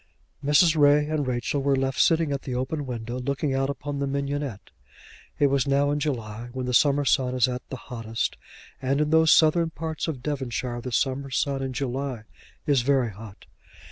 Mrs. Ray and Rachel were left sitting at the open window, looking out upon the mignionette. It was now in July, when the summer sun is at the hottest, and in those southern parts of Devonshire the summer sun in July is very hot.